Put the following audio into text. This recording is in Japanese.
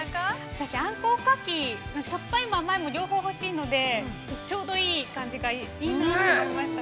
◆私、あんこおかきしょっぱいも甘いも両方欲しいので、ちょうどいい感じがいいなあと思いましたね。